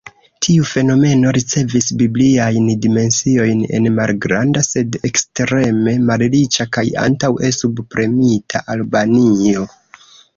Tiu fenomeno ricevis bibliajn dimensiojn en malgranda sed ekstreme malriĉa kaj antaŭe subpremita Albanio.